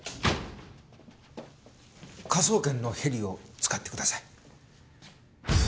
科捜研のヘリを使ってください。